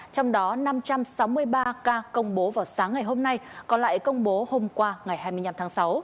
trong đó năm trăm sáu mươi ba ca công bố vào sáng ngày hôm nay còn lại công bố hôm qua ngày hai mươi năm tháng sáu